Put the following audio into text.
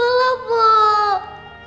saya pergi ke sekolah pak